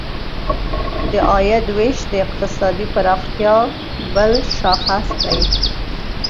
د عاید ویش د اقتصادي پراختیا بل شاخص دی.